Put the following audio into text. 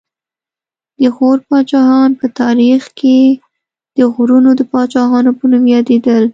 د غور پاچاهان په تاریخ کې د غرونو د پاچاهانو په نوم یادېدل